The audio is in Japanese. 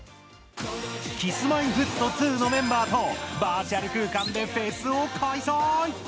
Ｋｉｓ−Ｍｙ−Ｆｔ２のメンバーとバーチャル空間でフェスを開催。